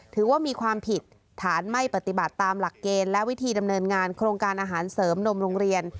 ถือว่ามีความผิดฐานไม่ปฏิบัติตามหลักเกณฑ์และวิธีดำเนินงานโครงการอาหารเสริมนมโรงเรียน